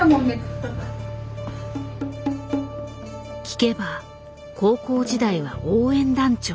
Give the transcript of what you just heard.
聞けば高校時代は応援団長。